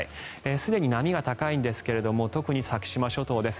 すでに波が高いんですが特に先島諸島です。